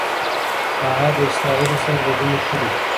هغه د اسرائیلو سره لیدنې کړي دي.